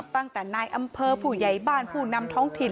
ตั้งแต่นายอำเภอผู้ใหญ่บ้านผู้นำท้องถิ่น